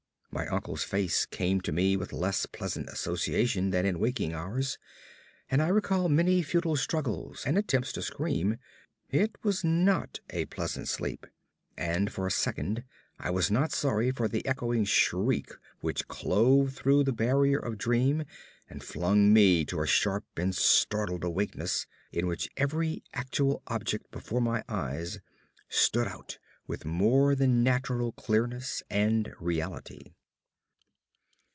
My uncle's face came to me with less pleasant association than in waking hours, and I recall many futile struggles and attempts to scream. It was not a pleasant sleep, and for a second I was not sorry for the echoing shriek which clove through the barriers of dream and flung me to a sharp and startled awakeness in which every actual object before my eyes stood out with more than natural clearness and reality.